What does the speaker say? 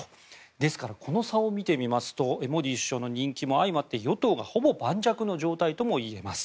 ですから、この差を見てみますとモディ首相の人気も相まって与党がほぼ盤石の状態ともいえます。